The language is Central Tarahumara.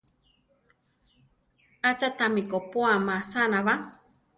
Acha tami kopóa masana ba?